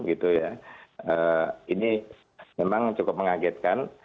ini memang cukup mengagetkan